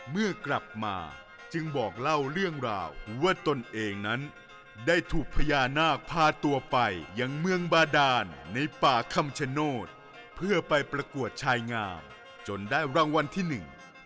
เมื่อกลับมาจึงบอกเล่าเรื่องราวว่าตนเองนั้นได้ถูกพญานาคพาตัวไปยังเมืองบาดานในป่าคำชโนธเพื่อไปประกวดชายงามจนได้รางวัลที่หนึ่ง